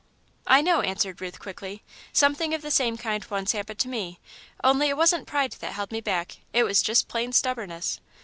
"I know," answered Ruth, quickly, "something of the same kind once happened to me, only it wasn't pride that held me back it was just plain stubbornness.